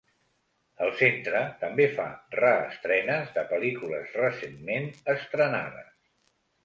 El centre també fa "reestrenes" de pel·lícules recentment estrenades.